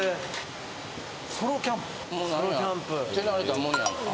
・ソロキャンプ・もう手慣れたもんやんか。